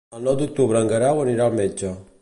El nou d'octubre en Guerau anirà al metge.